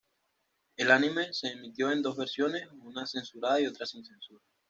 El anime se emitió en dos versiones: una censurada y otra sin censura.